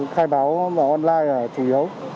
khai báo vào online là chủ yếu